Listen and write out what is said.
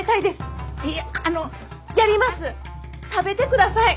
食べてください！